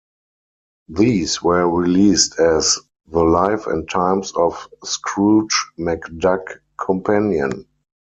These were released as "The Life and Times of Scrooge McDuck Companion".